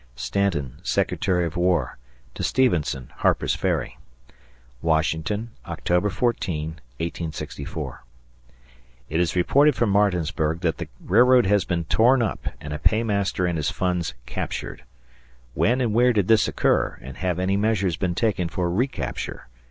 [Stanton, Secretary of War, to Stevenson, Harper's Ferry] Washington, October 14, 1864. It is reported from Martinsburg that the railroad has been torn up and a paymaster and his funds captured. When and where did this occur and have any measures been taken for recapture?